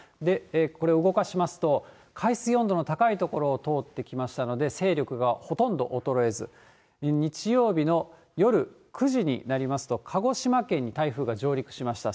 これ、動かしますと、海水温度の高い所を通ってきましたので、勢力がほとんど衰えず、日曜日の夜９時になりますと、鹿児島県に台風が上陸しました。